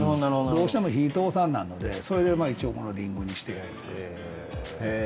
どうしても火通さななのでそれで一応このリングにして。